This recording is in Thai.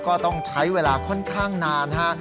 ก็ต้องใช้เวลาค่อนข้างนานฮะ